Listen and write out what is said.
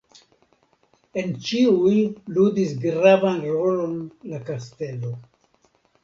En ĉiuj ludis gravan rolon la kastelo.